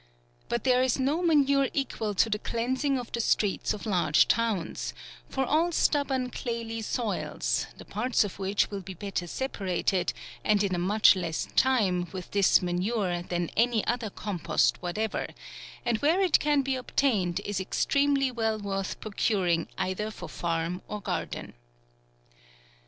But there is no manure equal to the cleansing of the streets of large towns, for all stubborn clayey soils, the parts of which will be better sepa rated, and in a much less lime, with ihis ma nure, than any other compost whatever; and where it can be obtained, is extremely well worth procuring either for farm or garden.